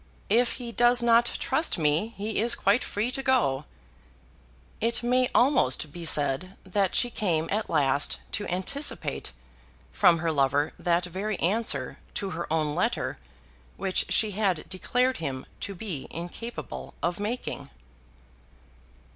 "If he does not trust me he is quite free to go." It may almost be said that she came at last to anticipate from her lover that very answer to her own letter which she had declared him to be incapable of making.